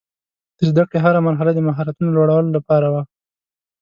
د زده کړې هره مرحله د مهارتونو لوړولو لپاره وه.